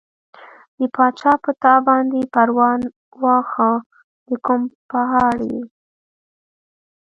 د چا پۀ تا باندې پرواه، واښۀ د کوم پهاړ ئې